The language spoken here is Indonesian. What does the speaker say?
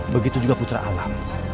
begitu juga putra alam